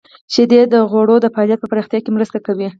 • شیدې د غړو د فعالیت په پراختیا کې مرسته کوي.